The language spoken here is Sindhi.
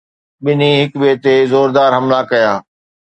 ٻنهي هڪ ٻئي تي زوردار حملا ڪيا